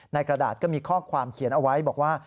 กระดาษก็มีข้อความเขียนเอาไว้บอกว่า